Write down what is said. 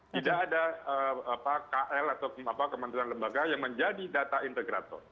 tidak ada kl atau kementerian lembaga yang menjadi data integrator